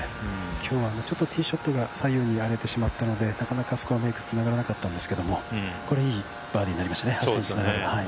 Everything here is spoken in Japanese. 今日はちょっとティーショットが左右に荒れてしまったので、なかなかスコアメークに繋がらなかったんですけど、これはいいバーディーになりましたね。